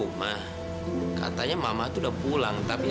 lepas kayak ini lo belum pulang juga ya